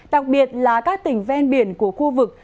đặc biệt là các tỉnh ven biển của khu vực